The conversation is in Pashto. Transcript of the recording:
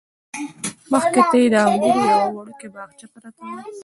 مخې ته یې د انګورو یوه وړوکې باغچه پرته وه.